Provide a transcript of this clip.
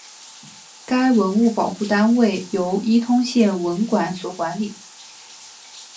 该文物保护单位由伊通县文管所管理。